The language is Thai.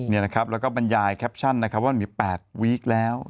นี่นะครับแล้วก็บรรยายแคปชั่นนะครับว่ามี๘วีคแล้ว